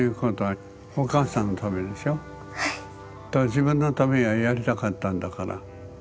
自分のためにはやりたかったんだから。